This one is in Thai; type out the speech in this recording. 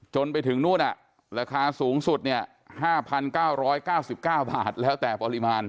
จนไปถึงนู้นอ่ะราคาสูงสุดเนี่ย๕๙๙๙บาทแล้วแต่ปริมาณ